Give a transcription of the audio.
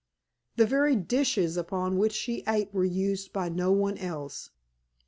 The very dishes upon which she ate were used by no one else.